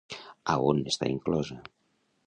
A on està inclosa?